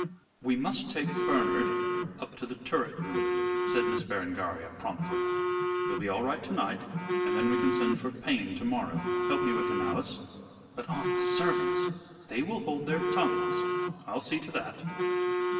"We must take Bernard up to the turret room," said Miss Berengaria, promptly. "He'll be all right to night and then we can send for Payne to morrow. Help me with him, Alice." "But, aunt, the servants " "They will hold their tongues. I'll see to that."